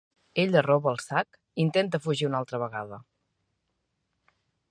Ella roba el sac i intenta fugir una altra vegada.